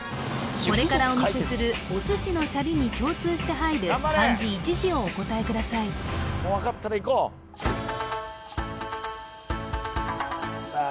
これからお見せするお寿司のシャリに共通して入る漢字一字をお答えくださいさあ